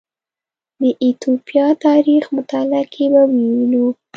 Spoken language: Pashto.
د ایتوپیا تاریخ مطالعه کې به ووینو